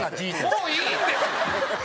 もういいんです！